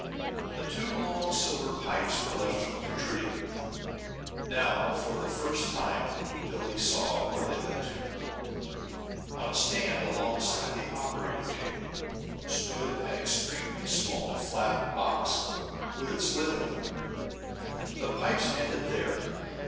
The two long silver pipes were left protruding. Now, for the first time, Billie saw where they led to. On a stand alongisde the operating table stood an extremely small, flat box, with its lid open. The pipes ended there.